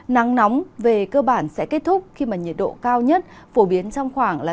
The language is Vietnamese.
nắng nóng về cơ bản sẽ kết thúc khi nhiệt độ cao nhất phổ biến trong khoảng ba mươi hai ba mươi năm độ